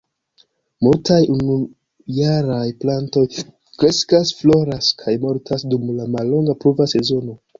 Multaj unujaraj plantoj kreskas, floras kaj mortas dum la mallonga pluva sezono.